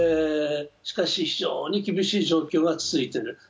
しかし、非常に厳しい状況は続いている。